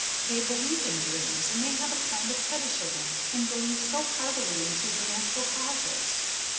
They believe in dreams, and they have a kind of fetichism, and believe so heartily in supernatural causes.